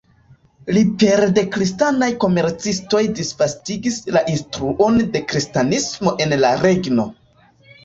Li pere de kristanaj komercistoj disvastigis la instruon de kristanismo en la regno.